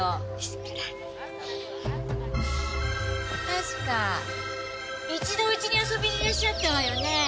確か一度うちに遊びにいらっしゃったわよね。